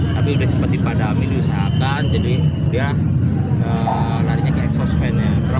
tapi udah sempat dipadami disahakan jadi dia larinya ke exhaust fannya